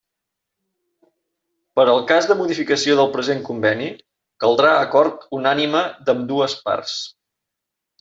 Per al cas de modificació del present conveni, caldrà acord unànime d'ambdues parts.